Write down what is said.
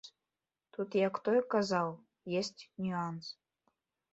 Тут, як той казаў, ёсць нюанс.